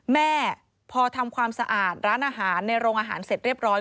แม่พอทำความสะอาดร้านอาหารในโรงอาหารเสร็จเรียบร้อย